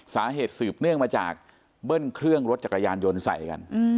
สืบเนื่องมาจากเบิ้ลเครื่องรถจักรยานยนต์ใส่กัน